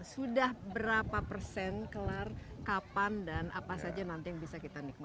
sudah berapa persen kelar kapan dan apa saja nanti yang bisa kita nikmati